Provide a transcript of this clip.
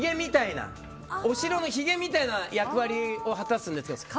お城のひげみたいな役割を果たすんですよ。